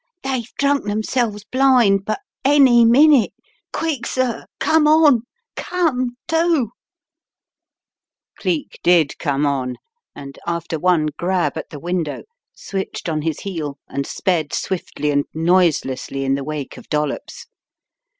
"They've drunken themselves blind, but any minute — quick, sir — come on — come, dot" Cleek did come on, and after one grab at the window, switched on his heel and sped swiftly and noiselessly in the wake of Dollops.